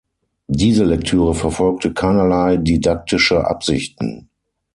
Diese Lektüre verfolgte keinerlei didaktische Absichten.